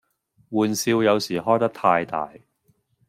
玩笑有時開得太大